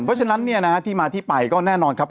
เพราะฉะนั้นเนี่ยนะที่มาที่ไปก็แน่นอนครับ